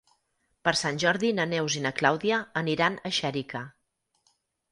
Per Sant Jordi na Neus i na Clàudia aniran a Xèrica.